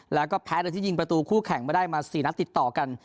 แล้วก็แพ้โดยที่ยิงประตูคู่แข่งไม่ได้มา๔นัดติดต่อกัน